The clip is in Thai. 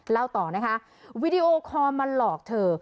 เล่าต่อนะคะวีดีโอคอลมาหลอกเธอ